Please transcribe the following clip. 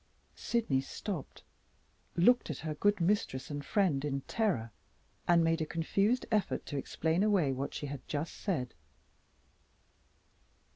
Sydney stopped; looked at her good mistress and friend in terror; and made a confused effort to explain away what she had just said.